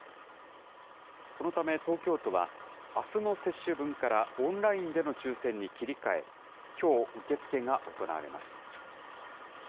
このため、東京都はあすの接種分からオンラインでの抽せんに切り替え、きょう、受け付けが行われます。